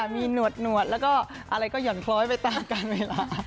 มีหนวดแล้วก็อะไรก็ห่อนคล้อยไปตามการเวลา